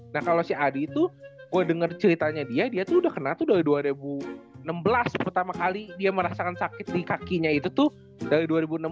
nah kalau si adi itu gue denger ceritanya dia dia tuh udah kena tuh dari dua ribu enam belas pertama kali dia merasakan sakit di kakinya itu tuh dari dua ribu enam belas